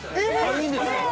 ◆いいんですか。